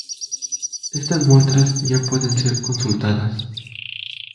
Estas muestras ya pueden ser consultadas